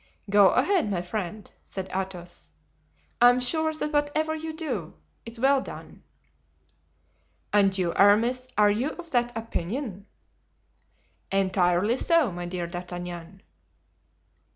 "Go ahead, my friend," said Athos; "I am sure that whatever you do is well done." "And you, Aramis, are you of that opinion?" "Entirely so, my dear D'Artagnan."